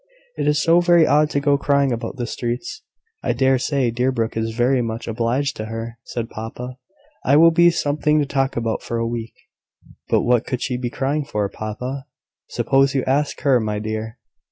It is so very odd to go crying about the streets!" "I dare say Deerbrook is very much obliged to her," said papa. "It will be something to talk about for a week." "But what could she be crying for, papa?" "Suppose you ask her, my dear?